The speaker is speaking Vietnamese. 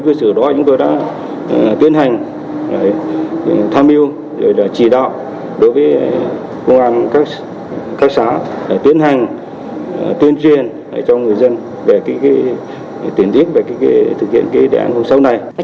trước đó chúng tôi đã tiến hành tham mưu chỉ đạo đối với công an các xã tiến hành tuyên truyền cho người dân về tiến diễn về thực hiện đề án hôm sau này